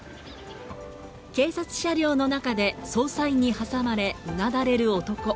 警察車両の中で捜査員に挟まれ、うなだれる男。